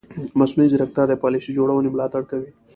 مصنوعي ځیرکتیا د پالیسي جوړونې ملاتړ کوي.